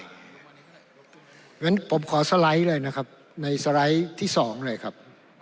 เพราะฉะนั้นผมขอสไลด์เลยนะครับในสไลด์ที่๒เลยครับ